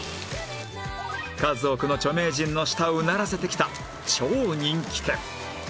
数多くの著名人の舌をうならせてきた超人気店